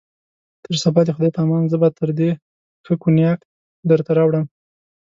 تر سبا د خدای په امان، زه به تر دې ښه کونیاک درته راوړم.